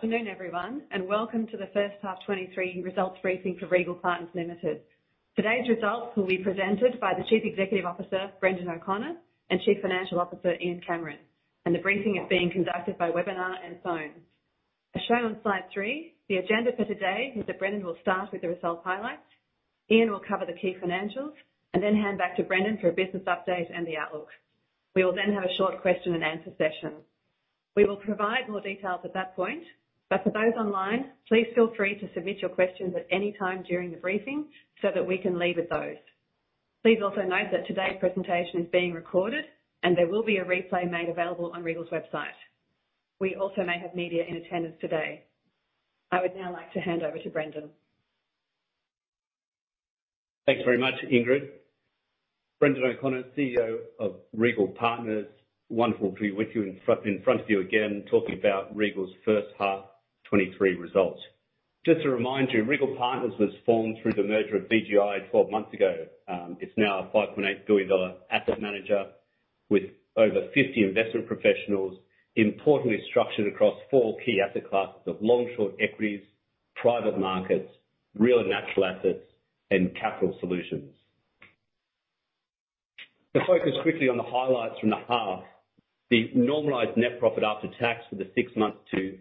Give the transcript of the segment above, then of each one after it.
Good afternoon, everyone, and welcome to the first half 2023 results briefing for Regal Partners Limited. Today's results will be presented by the Chief Executive Officer, Brendan O'Connor, and Chief Financial Officer, Ian Cameron, and the briefing is being conducted by webinar and phone. As shown on slide three, the agenda for today is that Brendan will start with the results highlights, Ian will cover the key financials, and then hand back to Brendan for a business update and the outlook. We will then have a short question and answer session. We will provide more details at that point, but for those online, please feel free to submit your questions at any time during the briefing so that we can lead with those. Please also note that today's presentation is being recorded, and there will be a replay made available on Regal's website. We also may have media in attendance today. I would now like to hand over to Brendan. Thanks very much, Ingrid. Brendan O'Connor, CEO of Regal Partners. Wonderful to be with you in front of you again, talking about Regal's first half 2023 results. Just to remind you, Regal Partners was formed through the merger of VG1 twelve months ago. It's now a 5.8 billion dollar asset manager with over 50 investment professionals, importantly structured across 4 key asset classes of long, short equities, private markets, real and natural assets, and capital solutions. Let's focus quickly on the highlights from the half. The normalized net profit after tax for the 6 months to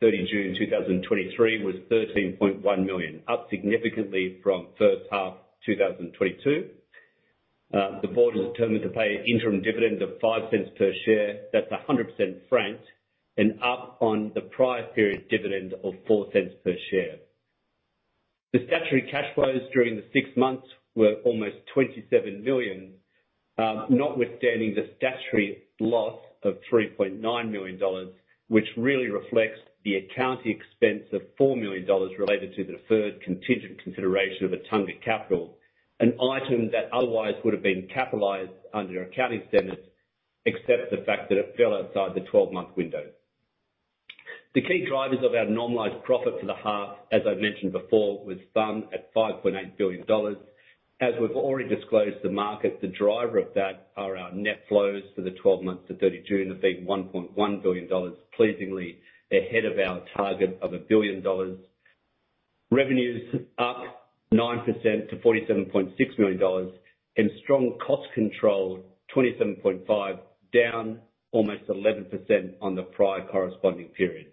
30 June 2023 was 13.1 million, up significantly from first half 2022. The board is determined to pay an interim dividend of 0.05 per share. That's 100% franked, and up on the prior period dividend of 0.04 per share. The statutory cash flows during the 6 months were almost 27 million, notwithstanding the statutory loss of 3.9 million dollars, which really reflects the accounting expense of 4 million dollars related to the deferred contingent consideration of Attunga Capital, an item that otherwise would have been capitalized under accounting standards, except the fact that it fell outside the 12-month window. The key drivers of our normalized profit for the half, as I've mentioned before, was FUM at 5.8 billion dollars. As we've already disclosed to market, the driver of that are our net flows for the 12 months to 30 June of being 1.1 billion dollars, pleasingly ahead of our target of 1 billion dollars. Revenues up 9% to 47.6 million dollars, and strong cost control, 27.5, down almost 11% on the prior corresponding period.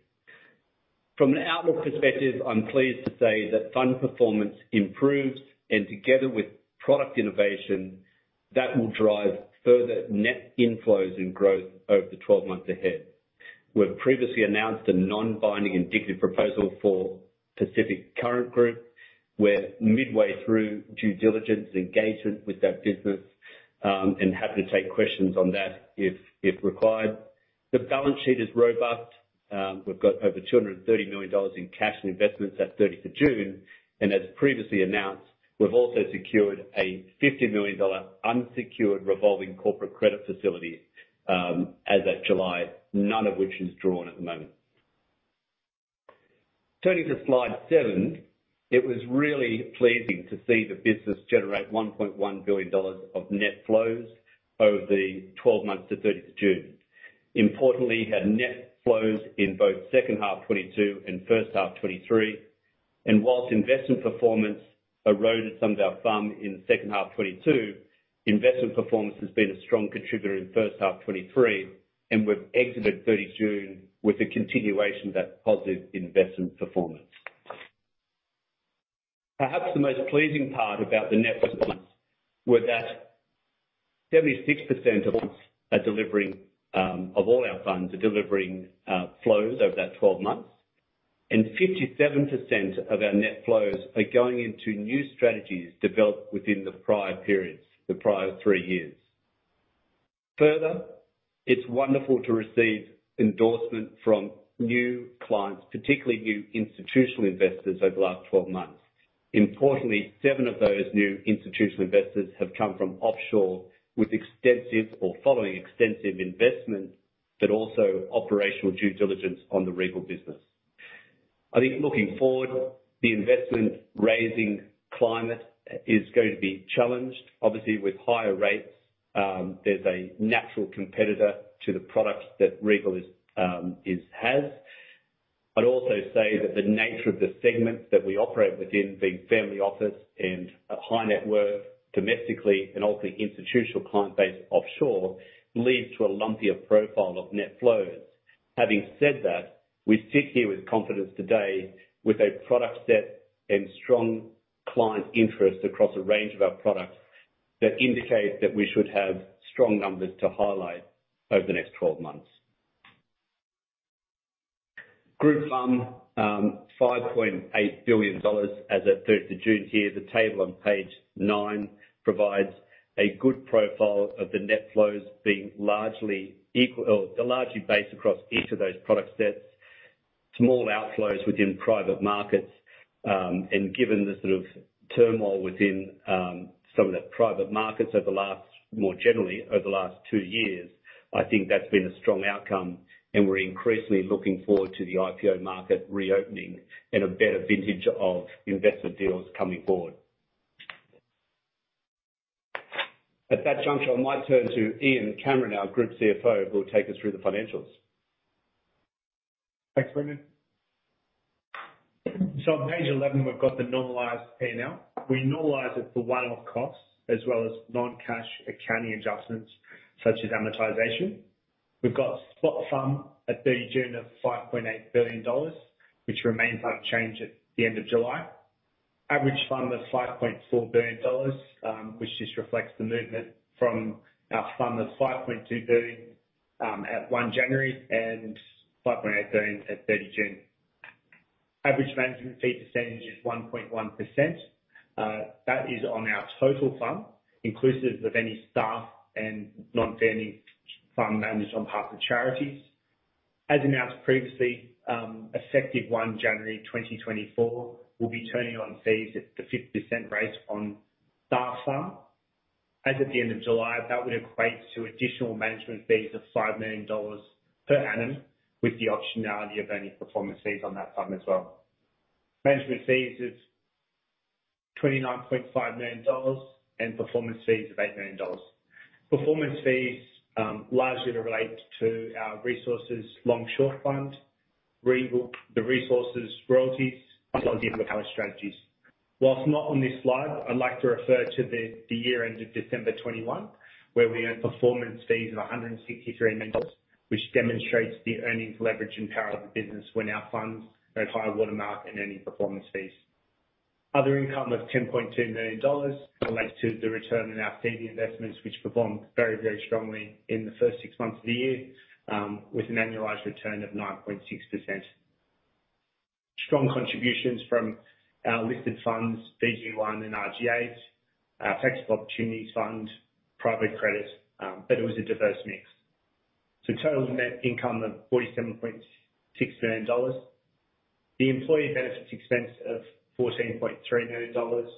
From an outlook perspective, I'm pleased to say that fund performance improved, and together with product innovation, that will drive further net inflows and growth over the 12 months ahead. We've previously announced a non-binding indicative proposal for Pacific Current Group. We're midway through due diligence and engagement with that business, and happy to take questions on that if required. The balance sheet is robust. We've got over 230 million dollars in cash and investments at 30 June, and as previously announced, we've also secured a 50 million dollar unsecured revolving corporate credit facility, as at July, none of which is drawn at the moment. Turning to slide 7, it was really pleasing to see the business generate 1.1 billion dollars of net flows over the 12 months to 30th of June. Importantly, had net flows in both second half 2022 and first half 2023, and whilst investment performance eroded some of our FUM in the second half 2022, investment performance has been a strong contributor in the first half 2023, and we've exited 30 June with a continuation of that positive investment performance. Perhaps the most pleasing part about the net performance were that 76% of us are delivering, of all our funds, are delivering, flows over that 12 months, and 57% of our net flows are going into new strategies developed within the prior periods, the prior three years. Further, it's wonderful to receive endorsement from new clients, particularly new institutional investors, over the last 12 months. Importantly, seven of those new institutional investors have come from offshore, with extensive or following extensive investment, but also operational due diligence on the Regal business. I think looking forward, the investment-raising climate is going to be challenged. Obviously, with higher rates, there's a natural competitor to the products that Regal is, is, has. I'd also say that the nature of the segments that we operate within the family office and a high net worth domestically and ultimately institutional client base offshore, leads to a lumpier profile of net flows. Having said that, we sit here with confidence today with a product set and strong client interest across a range of our products that indicate that we should have strong numbers to highlight over the next twelve months. Group FUM, 5.8 billion dollars as at 30th of June here. The table on page nine provides a good profile of the net flows being largely equal or largely based across each of those product sets, small outflows within private markets, and given the sort of turmoil within some of the private markets over the last more generally, over the last two years, I think that's been a strong outcome, and we're increasingly looking forward to the IPO market reopening and a better vintage of investment deals coming forward. At that juncture, I might turn to Ian Cameron, our Group CFO, who will take us through the financials. Thanks, Brendan. So on page 11, we've got the normalized P&L. We normalize it for one-off costs as well as non-cash accounting adjustments such as amortization. We've got spot FUM at 30 June of 5.8 billion dollars, which remains unchanged at the end of July. Average FUM was 5.4 billion dollars, which just reflects the movement from our FUM of 5.2 billion at 1 January and 5.8 billion at 30 June. Average management fee percentage is 1.1%. That is on our total FUM, inclusive of any staff and non-fee FUM managed on behalf of charities. As announced previously, effective 1 January 2024, we'll be turning on fees at the 50% rate on staff FUM. As at the end of July, that would equate to additional management fees of 5 million dollars per annum, with the optionality of any performance fees on that FUM as well. Management fees is AUD 29.5 million and performance fees of 8 million dollars. Performance fees largely relate to our Resources, Long Short Fund, the Resources, Royalties, and some of our strategies. While not on this slide, I'd like to refer to the year-end of December 2021, where we earned performance fees of 163 million dollars, which demonstrates the earnings leverage and power of the business when our funds are at high water mark and earning performance fees. Other income of 10.2 million dollars relates to the return on our seed investments, which performed very, very strongly in the first six months of the year, with an annualized return of 9.6%. Strong contributions from our listed funds, VG1 and RG8, our tax opportunity fund, private credit, but it was a diverse mix. So total net income of 47.6 million dollars. The employee benefits expense of 14.3 million dollars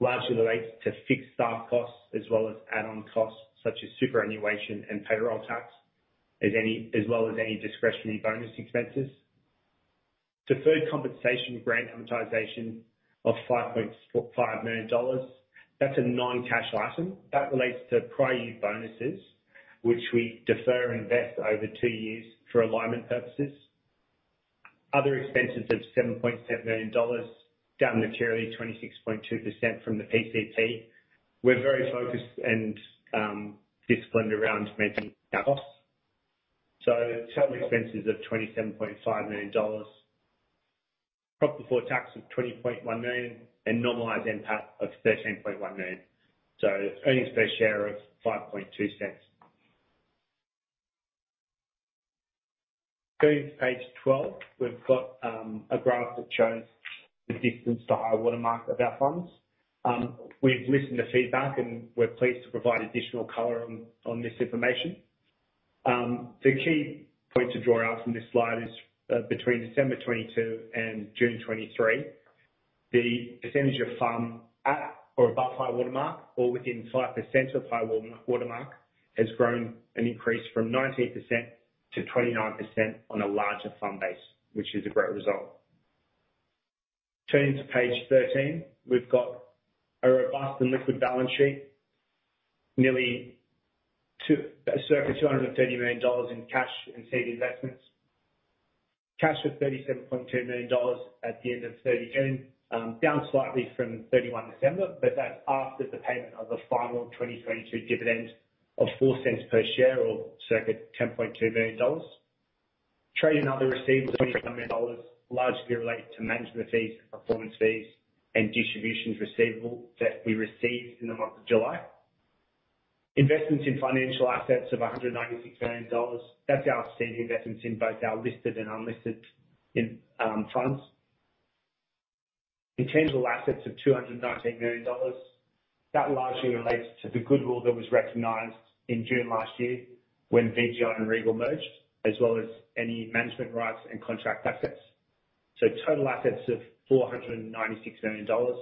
largely relates to fixed staff costs as well as add-on costs such as superannuation and payroll tax, as well as any discretionary bonus expenses. Deferred compensation grant amortization of 5 million dollars, that's a non-cash item. That relates to prior year bonuses, which we defer and invest over two years for alignment purposes. Other expenses of 7.7 million dollars, down materially, 26.2% from the PCP. We're very focused and, disciplined around managing our costs. So total expenses of 27.5 million dollars. Profit before tax of 20.1 million, and normalized NPAT of 13.1 million. So earnings per share of 0.052. Going to page 12, we've got, a graph that shows the distance to high water mark of our funds. We've listened to feedback, and we're pleased to provide additional color on this information. The key point to draw out from this slide is, between December 2022 and June 2023, the percentage of FUM at or above high water mark or within 5% of high water mark, has grown and increased from 19%-29% on a larger fund base, which is a great result. Turning to page 13, we've got a robust and liquid balance sheet, nearly circa 230 million dollars in cash and saved investments. Cash of 37.2 million dollars at the end of 30 June, down slightly from 31 December, but that's after the payment of the final 2022 dividend of 0.04 per share, or circa 10.2 million dollars. Trade and other receivables, 27 million dollars, largely relate to management fees, performance fees, and distributions receivable that we received in the month of July. Investments in financial assets of 196 million dollars. That's our saved investments in both our listed and unlisted in funds. Intangible assets of 219 million dollars. That largely relates to the goodwill that was recognized in June last year, when VG1 and Regal merged, as well as any management rights and contract assets. Total assets of 496 million dollars,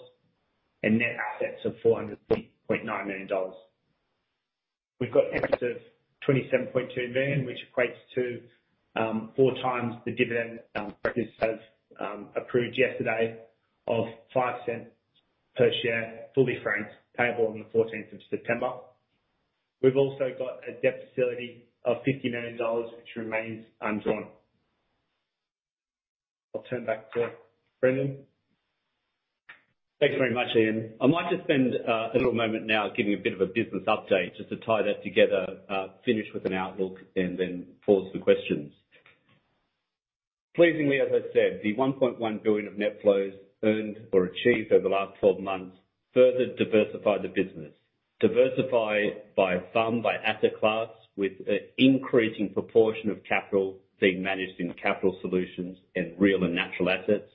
and net assets of 400.9 million dollars. We've got earnings of 27.2 million, which equates to four times the dividend directors have approved yesterday of 0.05 per share, fully franked, payable on the fourteenth of September. We've also got a debt facility of 50 million dollars, which remains undrawn. I'll turn back to Brendan. Thanks very much, Ian. I'd like to spend a little moment now giving a bit of a business update, just to tie that together, finish with an outlook and then pause for questions. Pleasingly, as I said, the 1.1 billion of net flows earned or achieved over the last 12 months further diversified the business. Diversified by FUM, by asset class, with an increasing proportion of capital being managed in capital solutions and real and natural assets.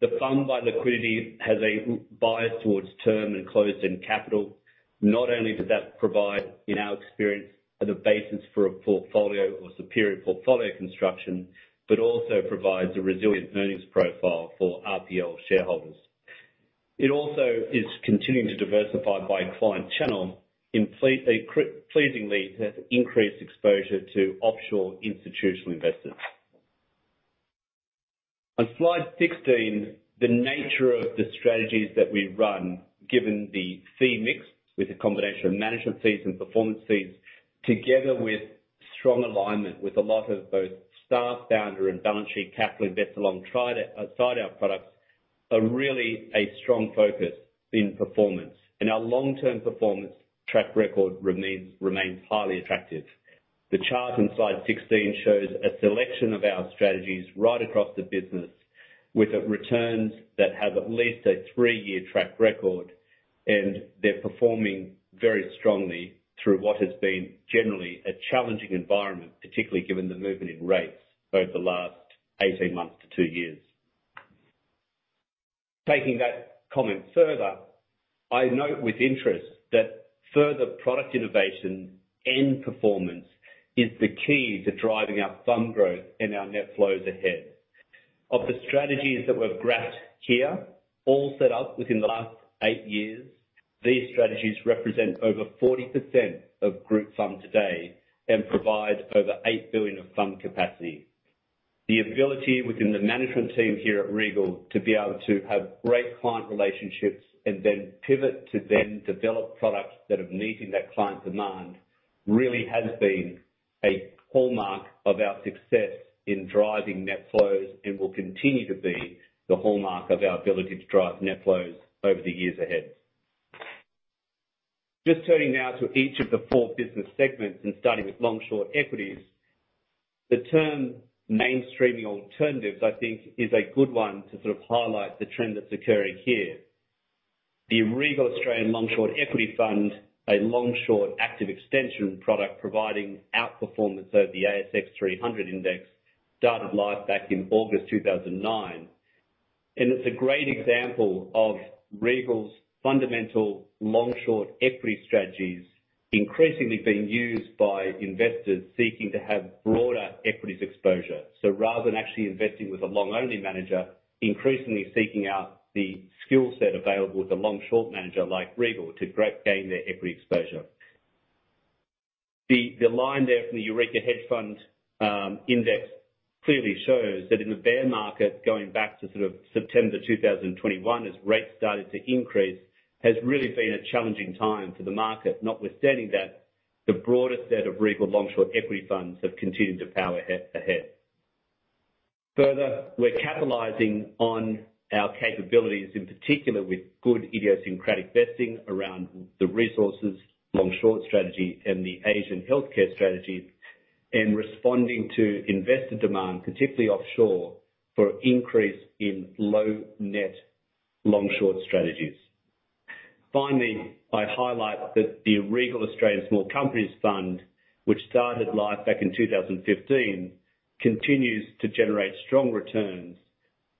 The FUM by liquidity has a bias towards term and closed-end capital. Not only does that provide, in our experience, the basis for a portfolio or superior portfolio construction, but also provides a resilient earnings profile for RPL shareholders. It also is continuing to diversify by client channel, increasingly, to increased exposure to offshore institutional investors. On slide 16, the nature of the strategies that we run, given the fee mix with a combination of management fees and performance fees, together with strong alignment with a lot of both staff, founder, and balance sheet capital invested alongside our products, are really a strong focus on performance. Our long-term performance track record remains highly attractive. The chart on slide 16 shows a selection of our strategies right across the business, with the returns that have at least a three-year track record, and they're performing very strongly through what has been generally a challenging environment, particularly given the movement in rates over the last 18 months to two years. Taking that comment further, I note with interest that further product innovation and performance is the key to driving our fund growth and our net flows ahead. Of the strategies that we've graphed here, all set up within the last eight years, these strategies represent over 40% of group fund today and provide over 8 billion of fund capacity. The ability within the management team here at Regal to be able to have great client relationships and then pivot to then develop products that are meeting that client demand, really has been a hallmark of our success in driving net flows, and will continue to be the hallmark of our ability to drive net flows over the years ahead. Just turning now to each of the 4 business segments and starting with long-short equities. The term mainstreaming alternatives, I think, is a good one to sort of highlight the trend that's occurring here. The Regal Australian Long Short Equity Fund, a long-short active extension product, providing outperformance over the ASX 300 Index, started live back in August 2009. It's a great example of Regal's fundamental long-short equity strategies, increasingly being used by investors seeking to have broader equities exposure. So rather than actually investing with a long-only manager, increasingly seeking out the skill set available with a long-short manager like Regal, to gain their equity exposure. The line there from the Eurekahedge Fund Index clearly shows that in the bear market, going back to sort of September 2021, as rates started to increase, has really been a challenging time for the market. Notwithstanding that, the broader set of Regal long-short equity funds have continued to power ahead. Further, we're capitalizing on our capabilities, in particular with good idiosyncratic investing around the resources long-short strategy and the Asian healthcare strategy, and responding to investor demand, particularly offshore, for increase in low net long-short strategies. Finally, I highlight that the Regal Australian Small Companies Fund, which started live back in 2015, continues to generate strong returns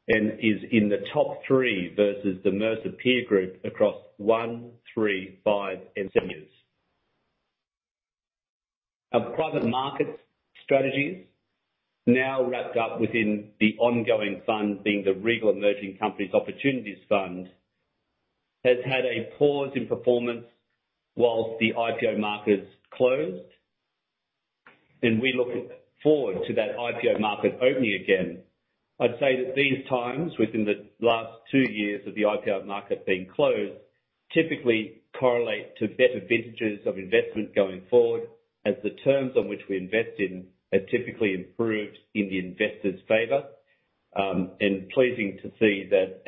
and is in the top three versus the Mercer Peer group across one, three, five, and seven years. Our private markets strategies, now wrapped up within the ongoing fund, being the Regal Emerging Companies Opportunities Fund, has had a pause in performance while the IPO markets closed, and we look forward to that IPO market opening again. I'd say that these times, within the last two years of the IPO market being closed, typically correlate to better vintages of investment going forward, as the terms on which we invest in have typically improved in the investor's favor. Pleasing to see that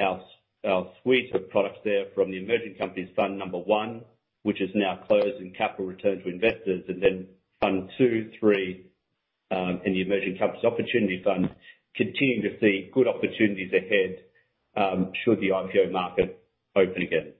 our suite of products there from the Emerging Companies Fund number 1, which is now closed and capital returned to investors, and then fund 2, 3, and the Emerging Companies Opportunity Fund, continuing to see good opportunities ahead, should the IPO market open again.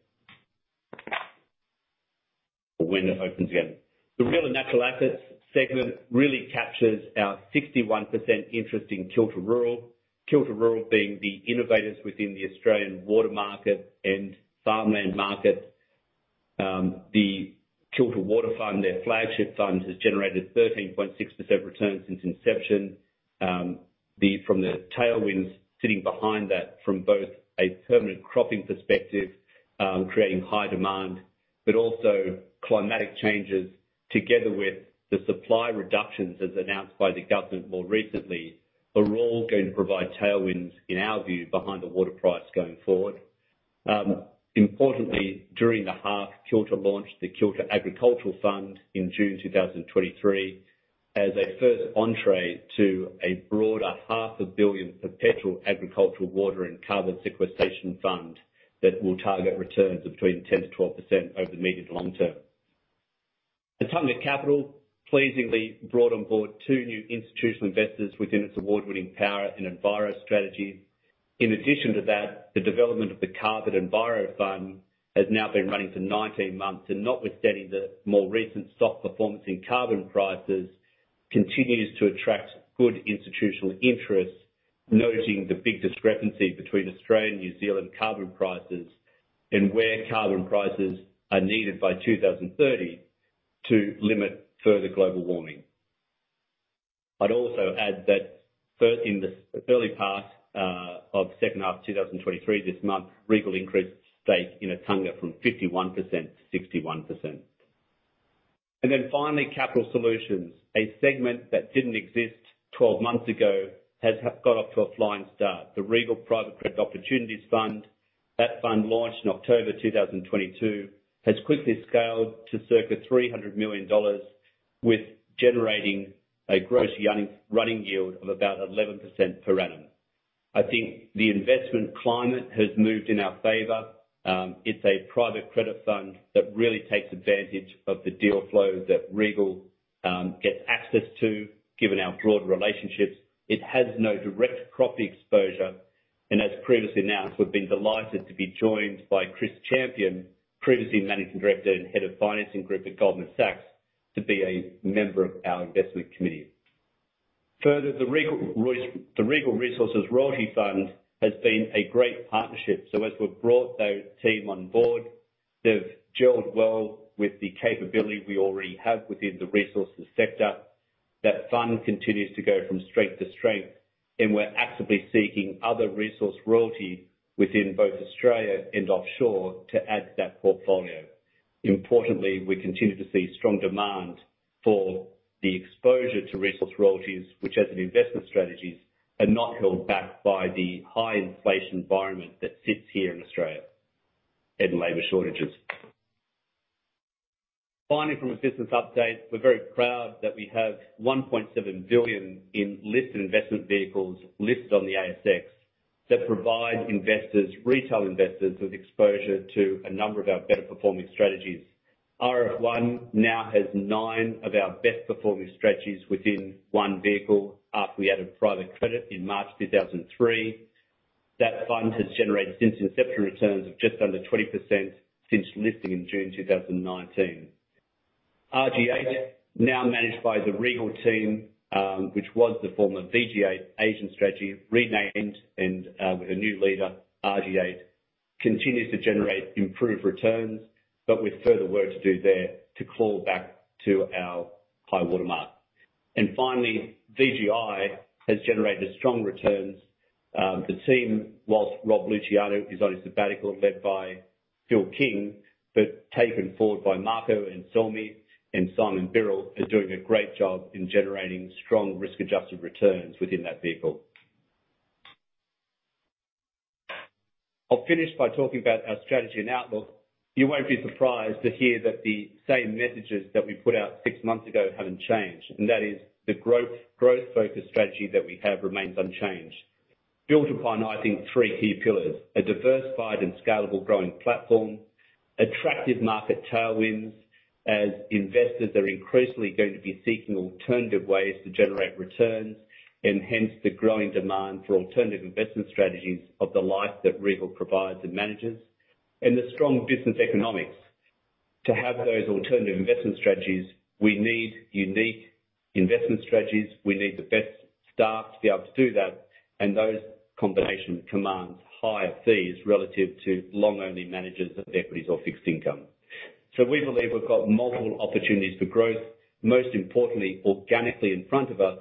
Or when it opens again. The Real and Natural Assets segment really captures our 61% interest in Kilter Rural. Kilter Rural being the innovators within the Australian water market and farmland market. The Kilter Water Fund, their flagship fund, has generated 13.6% return since inception. From the tailwinds sitting behind that, from both a permanent cropping perspective, creating high demand, but also climatic changes together with the supply reductions as announced by the government more recently, are all going to provide tailwinds, in our view, behind the water price going forward. Importantly, during the half, Kilter launched the Kilter Agriculture Fund in June 2023, as a first entree to a broader 500 million potential agricultural, water, and carbon sequestration fund, that will target returns of between 10%-12% over the medium to long term. Attunga Capital pleasingly brought on board two new institutional investors within its award-winning Power and Enviro strategies. In addition to that, the development of the Carbon Enviro Fund has now been running for 19 months, and notwithstanding the more recent stock performance in carbon prices, continues to attract good institutional interest, noting the big discrepancy between Australian, New Zealand carbon prices, and where carbon prices are needed by 2030, to limit further global warming. I'd also add that in the early part of second half of 2023, this month, Regal increased stake in Attunga from 51% to 61%. And then finally, Capital Solutions, a segment that didn't exist 12 months ago, has got off to a flying start. The Regal Private Credit Opportunities Fund, that fund launched in October 2022, has quickly scaled to circa 300 million dollars, with generating a gross earning, running yield of about 11% per annum. I think the investment climate has moved in our favor. It's a private credit fund that really takes advantage of the deal flow that Regal gets access to, given our broad relationships. It has no direct property exposure, and as previously announced, we've been delighted to be joined by Chris Champion, previously Managing Director and Head of Financing Group at Goldman Sachs, to be a member of our investment committee. Further, the Regal Resources Royalties Fund has been a great partnership. So as we've brought those team on board, they've gelled well with the capability we already have within the resources sector. That fund continues to go from strength to strength, and we're actively seeking other resource royalties within both Australia and offshore to add to that portfolio. Importantly, we continue to see strong demand for the exposure to resource royalties, which, as investment strategies, are not held back by the high inflation environment that sits here in Australia, and labor shortages. Finally, from a business update, we're very proud that we have 1.7 billion in listed investment vehicles listed on the ASX, that provide investors, retail investors, with exposure to a number of our better performing strategies. RF1 now has nine of our best performing strategies within one vehicle, after we added private credit in March 2003. That fund has generated since inception, returns of just under 20% since listing in June 2019. RG8, now managed by the Regal team, which was the former VGL Asian strategy, renamed and, with a new leader, RG8, continues to generate improved returns, but with further work to do there to crawl back to our high water mark. And finally, VG1 has generated strong returns. The team, whilst Rob Luciano is on his sabbatical, led by Phil King, but taken forward by Marco Selmi and Simon Birrell, are doing a great job in generating strong, risk-adjusted returns within that vehicle. I'll finish by talking about our strategy and outlook. You won't be surprised to hear that the same messages that we put out six months ago haven't changed, and that is the growth, growth-focused strategy that we have remains unchanged. Built upon, I think, three key pillars: a diversified and scalable growing platform, attractive market tailwinds, as investors are increasingly going to be seeking alternative ways to generate returns, and hence the growing demand for alternative investment strategies of the like that Regal provides and manages, and the strong business economics. To have those alternative investment strategies, we need unique investment strategies, we need the best staff to be able to do that, and those combination commands higher fees relative to long-only managers of equities or fixed income. So we believe we've got multiple opportunities for growth, most importantly, organically in front of us,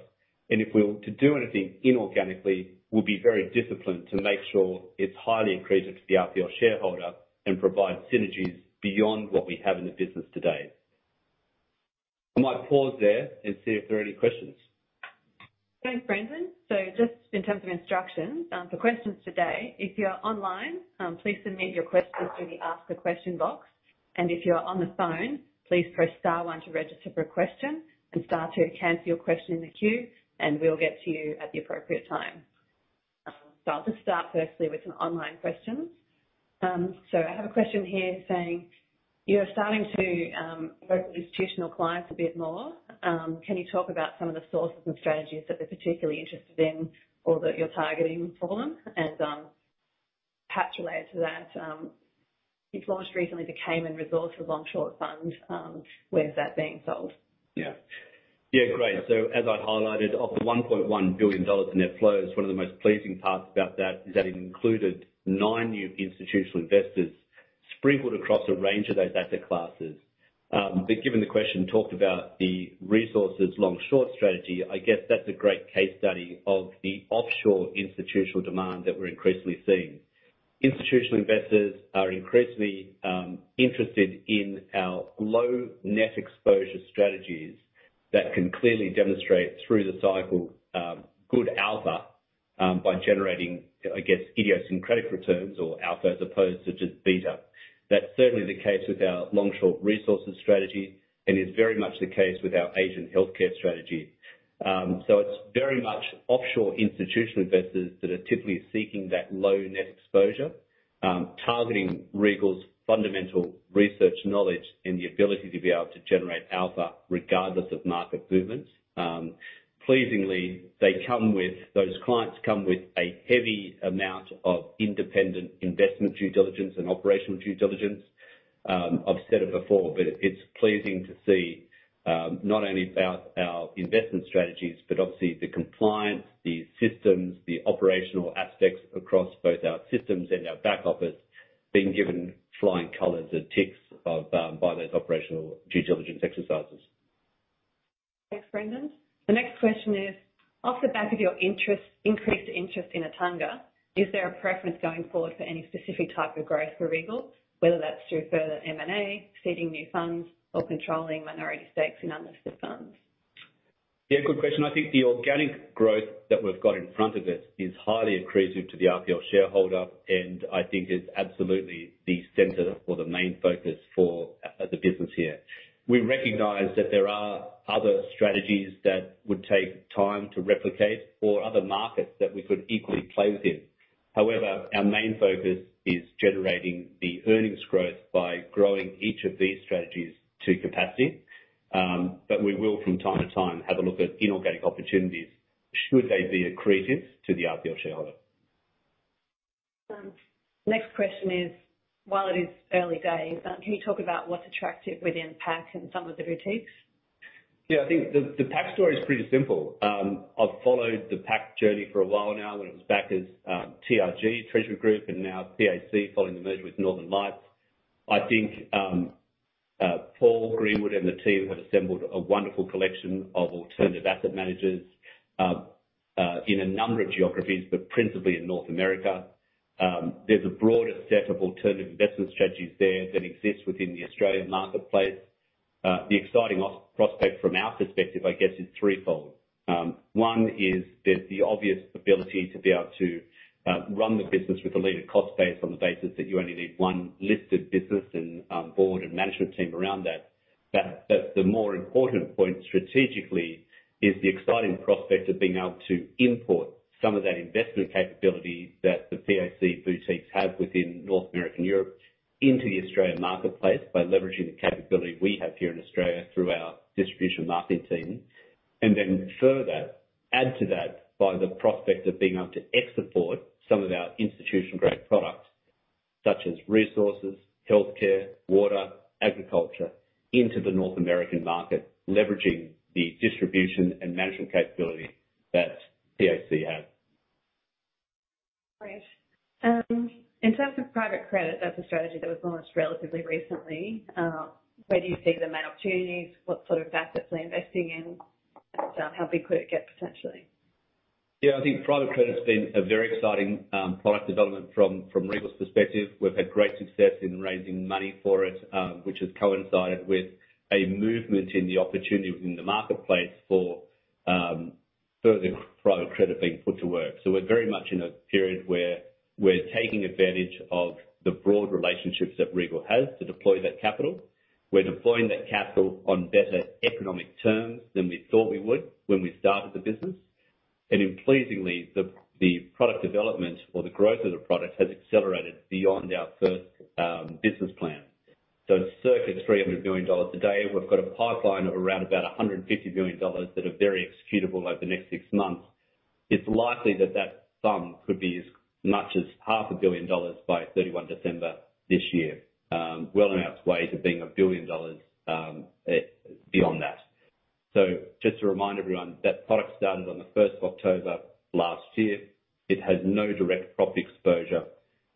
and if we're to do anything inorganically, we'll be very disciplined to make sure it's highly accretive to the RPL shareholder, and provides synergies beyond what we have in the business today. I might pause there and see if there are any questions. Thanks, Brendan. So just in terms of instructions, for questions today, if you're online, please submit your questions through the Ask a Question box. And if you're on the phone, please press star one to register for a question and star two to cancel your question in the queue, and we'll get to you at the appropriate time. So I'll just start firstly with some online questions. So I have a question here saying: You are starting to work with institutional clients a bit more. Can you talk about some of the sources and strategies that they're particularly interested in or that you're targeting for them? And, perhaps related to that, you've launched recently the Cayman Resources Long Short Fund. Where is that being sold? Yeah. Yeah, great. So as I've highlighted, of the 1.1 billion dollars in net flows, one of the most pleasing parts about that, is that it included nine new institutional investors sprinkled across a range of those asset classes. But given the question talked about the resources long-short strategy, I guess that's a great case study of the offshore institutional demand that we're increasingly seeing. Institutional investors are increasingly, interested in our low net exposure strategies that can clearly demonstrate through the cycle, good alpha, by generating, I guess, idiosyncratic returns or alpha as opposed to just beta. That's certainly the case with our long-short resources strategy, and is very much the case with our Asian healthcare strategy. So it's very much offshore institutional investors that are typically seeking that low net exposure, targeting Regal's fundamental research knowledge and the ability to be able to generate alpha regardless of market movements. Pleasingly, they come with... Those clients come with a heavy amount of independent investment due diligence and operational due diligence. I've said it before, but it- it's pleasing to see, not only about our investment strategies, but obviously the compliance, the systems, the operational aspects across both our systems and our back office, being given flying colors and ticks of, by those operational due diligence exercises. Thanks, Brendan. The next question is: off the back of your interest, increased interest in Attunga, is there a preference going forward for any specific type of growth for Regal, whether that's through further M&A, seeding new funds, or controlling minority stakes in unlisted funds? Yeah, good question. I think the organic growth that we've got in front of us is highly accretive to the RPL shareholder, and I think it's absolutely the center or the main focus for the business here. We recognize that there are other strategies that would take time to replicate or other markets that we could equally play within. However, our main focus is generating the earnings growth by growing each of these strategies to capacity. But we will, from time to time, have a look at inorganic opportunities, should they be accretive to the RPL shareholder. Next question is, while it is early days, can you talk about what's attractive within PAC and some of the boutiques? Yeah, I think the PAC story is pretty simple. I've followed the PAC journey for a while now, when it was back as TRG, Treasury Group, and now PAC, following the merger with Northern Lights. I think Paul Greenwood and the team have assembled a wonderful collection of alternative asset managers in a number of geographies, but principally in North America. There's a broader set of alternative investment strategies there that exist within the Australian marketplace. The exciting prospect from our perspective, I guess, is threefold. One is there's the obvious ability to be able to run the business with a leading cost base on the basis that you only need one listed business and board and management team around that. But the more important point strategically is the exciting prospect of being able to import some of that investment capability that the PAC boutiques have within North America and Europe into the Australian marketplace by leveraging the capability we have here in Australia through our distribution marketing team. And then further, add to that by the prospect of being able to export some of our institutional-grade products, such as resources, healthcare, water, agriculture, into the North American market, leveraging the distribution and management capability that PAC has. Great. In terms of private credit, that's a strategy that was launched relatively recently. Where do you see the main opportunities? What sort of assets are we investing in? And, how big could it get potentially? Yeah, I think private credit's been a very exciting, product development from Regal's perspective. We've had great success in raising money for it, which has coincided with a movement in the opportunity within the marketplace for, further private credit being put to work. So we're very much in a period where we're taking advantage of the broad relationships that Regal has to deploy that capital. We're deploying that capital on better economic terms than we thought we would when we started the business. And pleasingly, the product development or the growth of the product has accelerated beyond our first, business plan. So it sits at $300 million today. We've got a pipeline of around about $150 billion that are very executable over the next six months. It's likely that that sum could be as much as 500 million dollars by 31 December this year, well on its way to being 1 billion dollars, beyond that. So just to remind everyone, that product started on the first of October last year. It has no direct profit exposure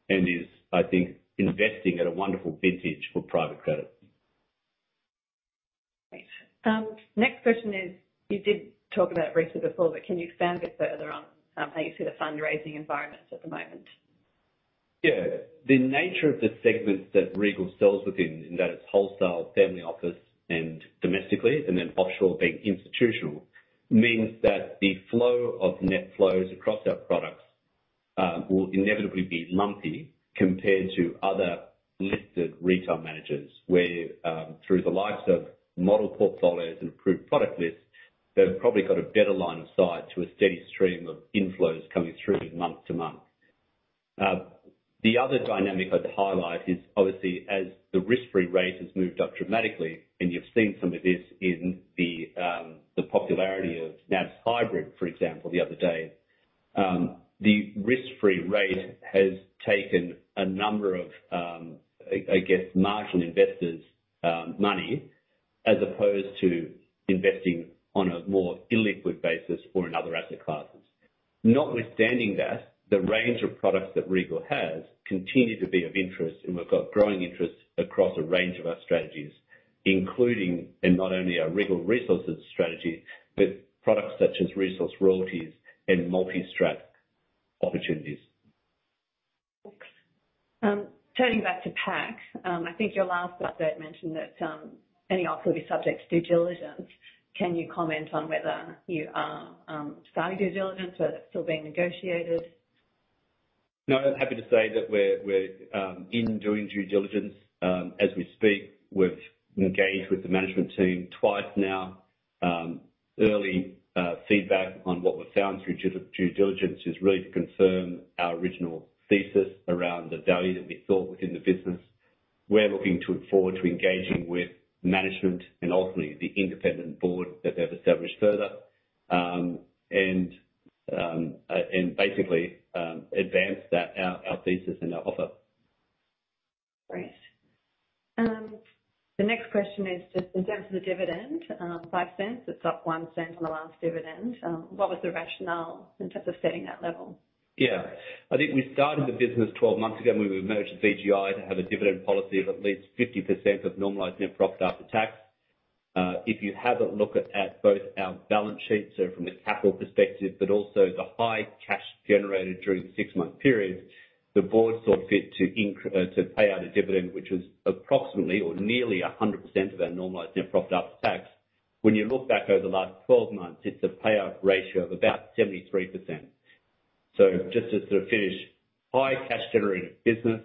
and is, I think, investing at a wonderful vintage for private credit. Great. Next question is, you did talk about this before, but can you expand a bit further on how you see the fundraising environment at the moment? Yeah. The nature of the segments that Regal sells within, in that it's wholesale, family office, and domestically, and then offshore being institutional, means that the flow of net flows across our products will inevitably be lumpy compared to other listed retail managers, where through the likes of model portfolios and approved product lists, they've probably got a better line of sight to a steady stream of inflows coming through month to month. The other dynamic I'd highlight is obviously, as the risk-free rate has moved up dramatically, and you've seen some of this in the popularity of NAB's hybrid, for example, the other day. The risk-free rate has taken a number of, I guess, marginal investors' money, as opposed to investing on a more illiquid basis or in other asset classes. Notwithstanding that, the range of products that Regal has continued to be of interest, and we've got growing interest across a range of our strategies, including and not only our Regal Resources strategy, but products such as Resource Royalties and Multi-Strat opportunities. Turning back to PAC, I think your last update mentioned that any offer will be subject to due diligence. Can you comment on whether you are starting due diligence or that's still being negotiated? No, I'm happy to say that we're doing due diligence as we speak. We've engaged with the management team twice now. Early feedback on what was found through due diligence has really confirmed our original thesis around the value that we thought within the business. We're looking forward to engaging with management and ultimately the independent board that they've established further and basically advance our thesis and our offer. Great. The next question is just in terms of the dividend, 0.05, it's up 0.01 from the last dividend. What was the rationale in terms of setting that level? Yeah. I think we started the business 12 months ago when we merged with VG1 to have a dividend policy of at least 50% of normalized net profit after tax. If you have a look at both our balance sheets, so from a capital perspective, but also the high cash generated during the six-month period, the board saw fit to pay out a dividend, which was approximately or nearly 100% of our normalized net profit after tax. When you look back over the last 12 months, it's a payout ratio of about 73%. So just to sort of finish, high cash generating business,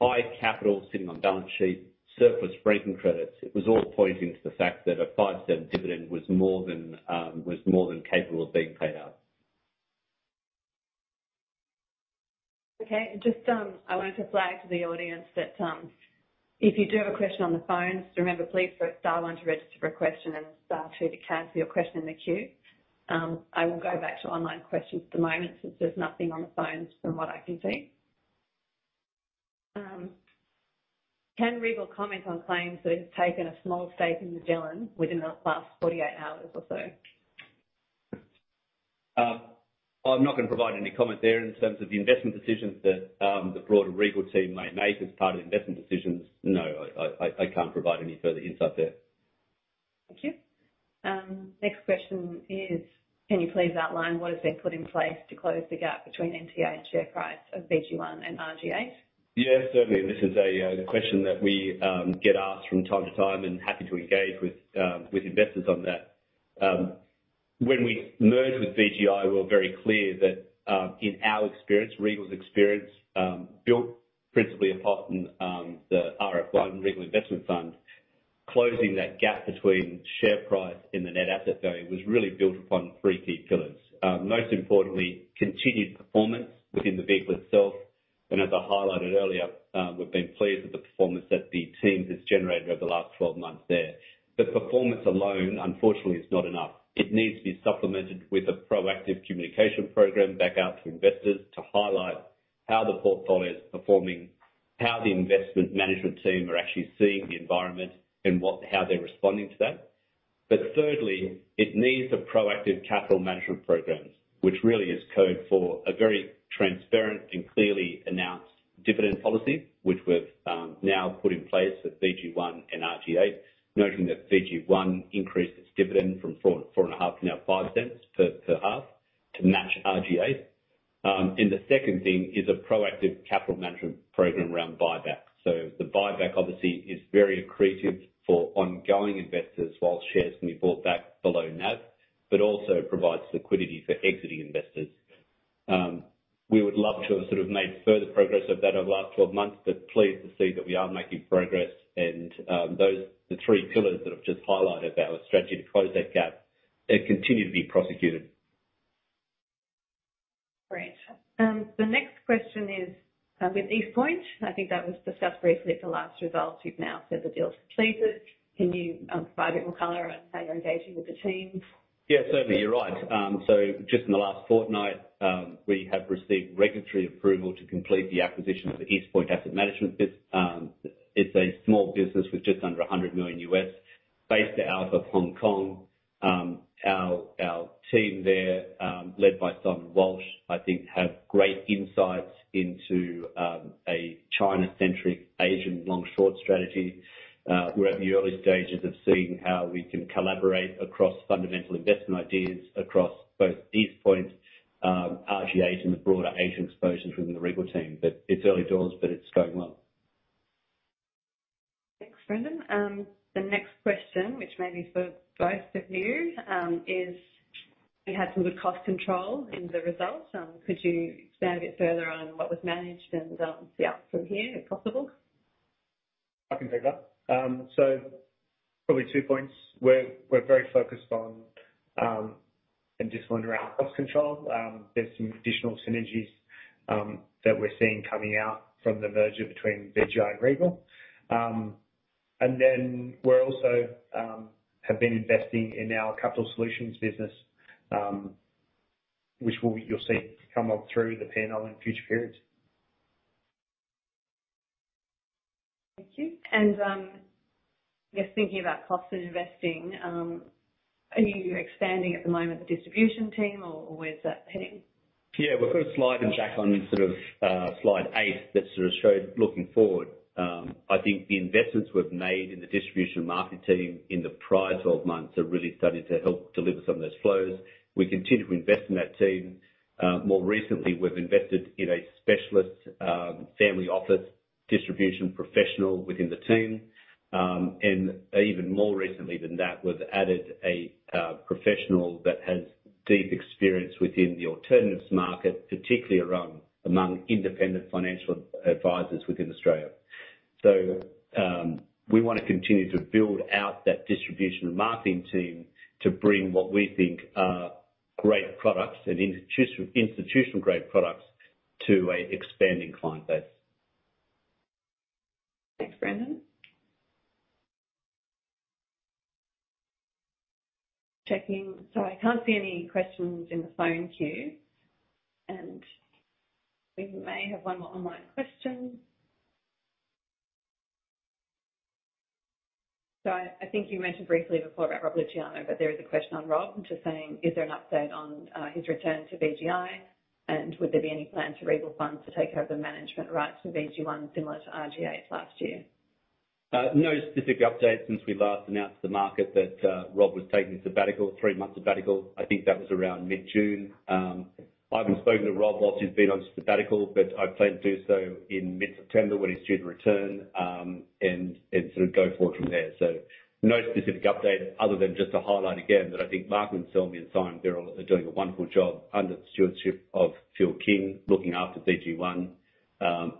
high capital sitting on balance sheet, surplus franking credits. It was all pointing to the fact that an 0.05 dividend was more than was more than capable of being paid out. Okay. Just, I wanted to flag to the audience that, if you do have a question on the phone, just remember, please press star one to register for a question and star two to cancel your question in the queue. I will go back to online questions for the moment, since there's nothing on the phone from what I can see. Can Regal comment on claims that it's taken a small stake in Magellan within the last 48 hours or so? I'm not going to provide any comment there in terms of the investment decisions that the broader Regal team may make as part of investment decisions. No, I can't provide any further insight there. Thank you. Next question is, can you please outline what has been put in place to close the gap between NTA and share price of VG1 and RG8? Yeah, certainly. This is a question that we get asked from time to time and happy to engage with with investors on that. When we merged with VG1, we were very clear that, in our experience, Regal's experience, built principally upon, the RFR and Regal Investment Fund. Closing that gap between share price and the net asset value was really built upon three key pillars. Most importantly, continued performance within the vehicle itself. And as I highlighted earlier, we've been pleased with the performance that the team has generated over the last 12 months there. But performance alone, unfortunately, is not enough. It needs to be supplemented with a proactive communication program back out to investors to highlight how the portfolio is performing, how the investment management team are actually seeing the environment, and what-- how they're responding to that. But thirdly, it needs a proactive capital management program, which really is code for a very transparent and clearly announced dividend policy, which we've now put in place at VG1 and RG8. You had some good cost control in the results. Could you expand a bit further on what was managed and, the out from here, if possible? I can take that. So probably two points. We're very focused on and just around cost control. There's some additional synergies that we're seeing coming out from the merger between VG1 and Regal. And then we're also have been investing in our capital solutions business, which will... You'll see come up through the PNL in future periods. Thank you. Just thinking about cost and investing, are you expanding at the moment, the distribution team, or where's that heading? Yeah, we've got a slide, and, Jack, on sort of, slide 8, that sort of shows looking forward. I think the investments we've made in the distribution and marketing team in the prior 12 months have really started to help deliver some of those flows. We continue to invest in that team. More recently, we've invested in a specialist, family office distribution professional within the team. And even more recently than that, we've added a, professional that has deep experience within the alternatives market, particularly around, among independent financial advisors within Australia. So, we want to continue to build out that distribution and marketing team to bring what we think are great products and institutional-grade products to an expanding client base. Thanks, Brendan. Checking so I can't see any questions in the phone queue, and we may have one more online question. So I think you mentioned briefly before about Rob Luciano, but there is a question on Rob, just saying: Is there an update on his return to VG1 And would there be any plan to raise more funds to take care of the management rights of VG1, similar to RG8 last year? No specific update since we last announced to the market that Rob was taking sabbatical, 3-month sabbatical. I think that was around mid-June. I haven't spoken to Rob while he's been on sabbatical, but I plan to do so in mid-September, when he's due to return, and sort of go forward from there. So no specific update, other than just to highlight again, that I think Marco Selmi and Simon Birrell are doing a wonderful job under the stewardship of Phil King, looking after VG1.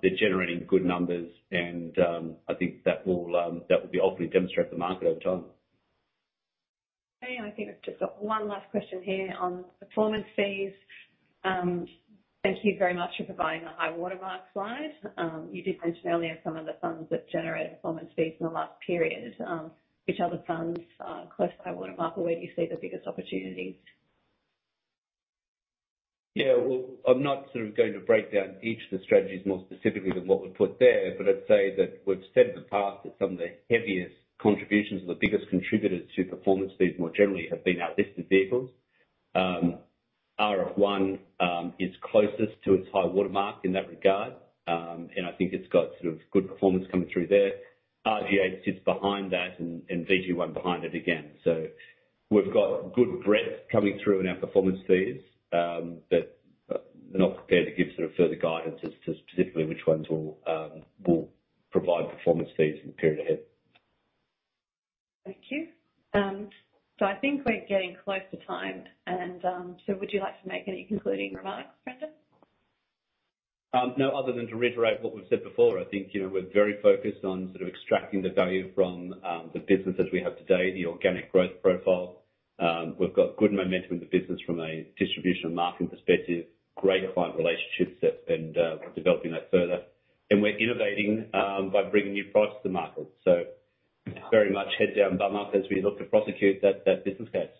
They're generating good numbers, and I think that will hopefully demonstrate the market over time. Okay, I think we've just got one last question here on performance fees. Thank you very much for providing the high-water mark slide. You did mention earlier some of the funds that generated performance fees in the last period. Which other funds are close to high-water mark, or where do you see the biggest opportunities? Yeah, well, I'm not sort of going to break down each of the strategies more specifically than what we've put there. But I'd say that we've said in the past that some of the heaviest contributions or the biggest contributors to performance fees more generally have been our listed vehicles. RF1 is closest to its high water mark in that regard. And I think it's got sort of good performance coming through there. RG8 sits behind that and VG1 behind it again. So we've got good breadth coming through in our performance fees, but we're not prepared to give sort of further guidance as to specifically which ones will provide performance fees in the period ahead. Thank you. So I think we're getting close to time, and so would you like to make any concluding remarks, Brendan? No, other than to reiterate what we've said before. I think, you know, we're very focused on sort of extracting the value from the businesses we have today, the organic growth profile. We've got good momentum in the business from a distribution and marketing perspective, great client relationships that and we're developing that further. And we're innovating by bringing new products to the market. So very much head down, bum up, as we look to prosecute that, that business case.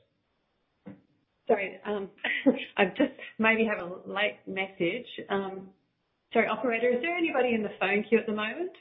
Sorry, I just maybe have a late message. Sorry, operator, is there anybody in the phone queue at the moment?